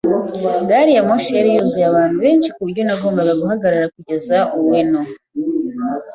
Gari ya moshi yari yuzuyemo abantu benshi kuburyo nagombaga guhagarara kugeza Ueno.